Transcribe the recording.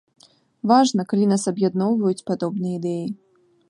Важна, калі нас аб'ядноўваюць падобныя ідэі!